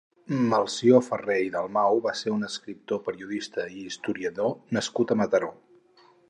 Melcior Ferrer i Dalmau va ser un escriptor, periodista i historiador nascut a Mataró.